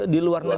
di luar negeri